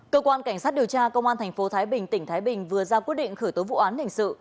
cơ quan cảnh sát điều tra công an tp thái bình tỉnh thái bình vừa ra quyết định khởi tố vụ án hình sự